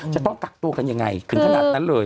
จะต้องกักตัวกันยังไงถึงขนาดนั้นเลย